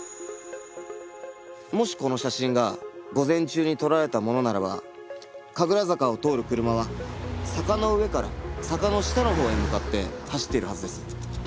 もしこの写真が午前中に撮られたものならば神楽坂を通る車は坂の上から坂の下のほうへ向かって走っているはずです。